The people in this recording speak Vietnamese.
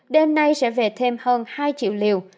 đêm nay sẽ về thêm hơn hai triệu liều